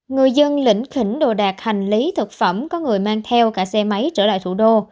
người dân lĩnh khỉnh đồ đạc hành lý thực phẩm có người mang theo cả xe máy trở lại thủ đô